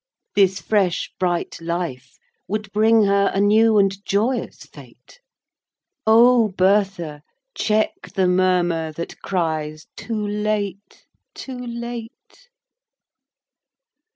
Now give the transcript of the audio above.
This fresh bright life would bring her A new and joyous fate— O Bertha, check the murmur That cries, Too late! too late!